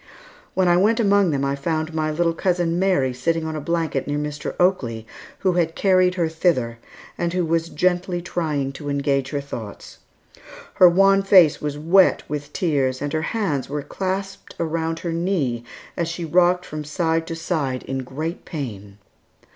When I went among them I found my little cousin Mary sitting on a blanket near Mr. Oakley, who had carried her thither, and who was gently trying to engage her thoughts. Her wan face was wet with tears, and her hands were clasped around her knee as she rocked from side to side in great pain.